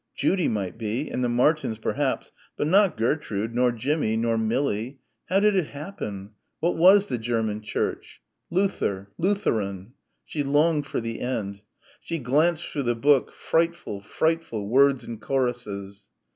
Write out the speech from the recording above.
Judy might be, and the Martins perhaps, but not Gertrude, nor Jimmie, nor Millie. How did it happen? What was the German Church? Luther Lutheran. She longed for the end. She glanced through the book frightful, frightful words and choruses.